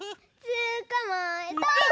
つかまえた！